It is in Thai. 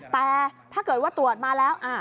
แต่ถ้าเกิดว่าตรวจมาแล้ว